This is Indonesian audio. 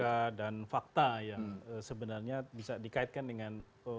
fakta dan fakta yang sebenarnya bisa dikaitkan dengan